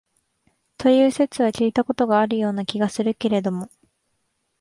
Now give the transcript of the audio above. という説は聞いた事があるような気がするけれども、